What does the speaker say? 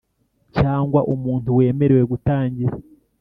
cyangwa umuntu wemerewe gutangira.